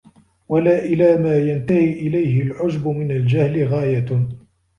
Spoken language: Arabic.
وَلَا إلَى مَا يَنْتَهِي إلَيْهِ الْعُجْبُ مِنْ الْجَهْلِ غَايَةٌ